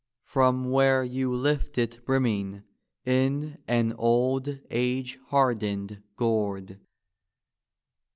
From where you lift it brimming in an old age hardened gourd.